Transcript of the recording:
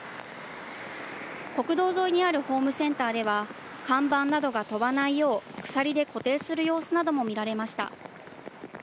国道沿いにあるホームセンターでは、看板などが飛ばないよう、鎖で固定する様子なども見られました。